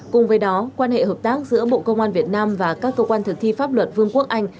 cùng với đó quan hệ hợp tác giữa bộ công an việt nam và các cơ quan thực thi pháp luật vương quốc anh